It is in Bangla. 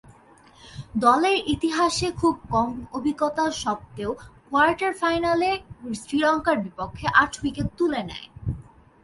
দলের ইতিহাসে খুব কম অভিজ্ঞতা স্বত্ত্বেও কোয়ার্টার ফাইনালে শ্রীলঙ্কার বিপক্ষে আট উইকেট তুলে নেয়।